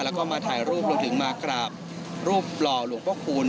แล้วก็มาถ่ายรูปรวมถึงมากราบรูปหล่อหลวงพระคุณ